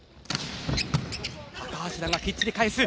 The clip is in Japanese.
高橋藍がきっちり返す。